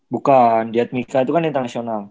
bukan diadmika itu kan internasional